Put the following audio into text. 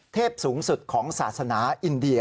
เทพสูงสุดของศาสนาอินเดีย